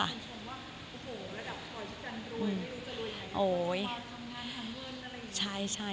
ระดับก่อนทุกคนรวยไม่รู้จะรวยยังไย